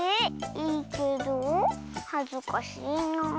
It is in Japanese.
いいけどはずかしいなあ。